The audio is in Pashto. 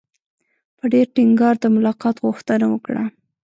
په ډېر ټینګار د ملاقات غوښتنه وکړه.